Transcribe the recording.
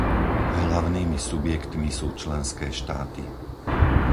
Hlavnými subjektmi sú členské štáty.